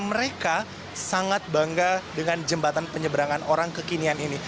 mereka sangat bangga dengan jembatan penyeberangan orang kekinian ini